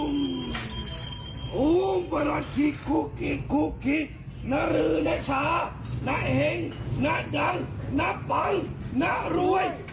อมอมประหลักขิกคุกกิคุกกินรื่อนชานแห่งนดัลนพังนรวย